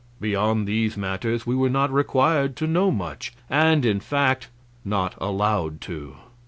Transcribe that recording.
Beyond these matters we were not required to know much; and, in fact, not allowed to.